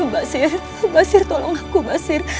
basir basir tolong aku basir